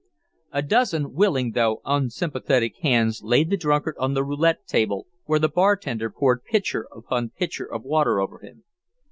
A dozen willing, though unsympathetic, hands laid the drunkard on the roulette table, where the bartender poured pitcher upon pitcher of water over him.